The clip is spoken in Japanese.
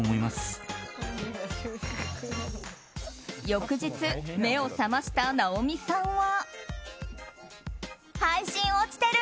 翌日目を覚ました直美さんは。